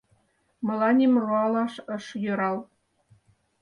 Мыланем руалаш ыш йӧрал.